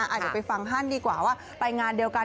เดี๋ยวไปฟังฮันดีกว่าว่าไปงานเดียวกัน